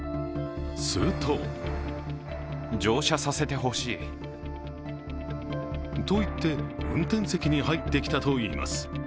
するとと言って、運転席に入ってきたといいます。